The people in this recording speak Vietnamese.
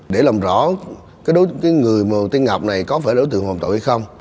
để làm rõ người tiên ngọc này có phải đối tượng hồn tội hay không